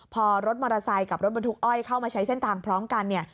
พอรถมอเตอร์ไซค์กับรถบรรทุกอ้อยเข้ามาใช้เส้นทางพร้อมกันเนี่ย